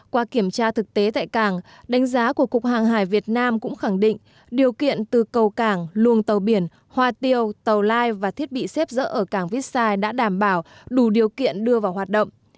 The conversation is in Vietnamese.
qua kiểm tra thực tế tại cảng đánh giá của cục hàng hải việt nam cũng khẳng định điều kiện từ cầu cảng luồng tàu biển hoa tiêu tàu lai và thiết bị xếp dỡ ở cảng vitsai đã đảm bảo đủ điều kiện đưa vào hoạt động